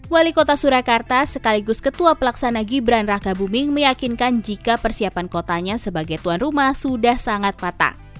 wali kota surakarta sekaligus ketua pelaksana gibran raka buming meyakinkan jika persiapan kotanya sebagai tuan rumah sudah sangat patah